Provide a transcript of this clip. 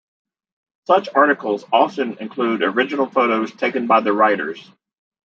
Such articles often include original photos taken by the writers.